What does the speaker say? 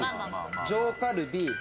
上カルビ。